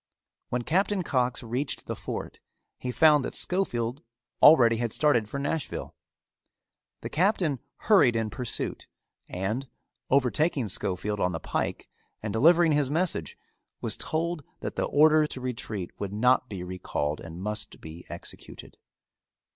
When Captain Cox reached the fort he found that Schofield already had started for Nashville. The Captain hurried in pursuit and, overtaking Schofield on the pike and delivering his message, was told that the order to retreat would not be recalled and must be executed.